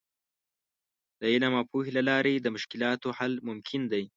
د علم او پوهې له لارې د مشکلاتو حل ممکن دی.